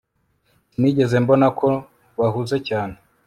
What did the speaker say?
Sinigeze mbona ko bahuze cyane